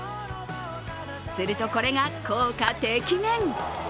すると、これが効果てきめん。